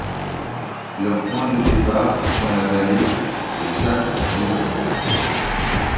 Leur point de départ, dans la vallée, est Saas-Grund.